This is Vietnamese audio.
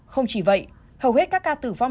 không chỉ vậy hầu hết các ca tử vong